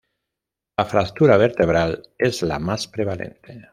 La fractura vertebral es la más prevalente.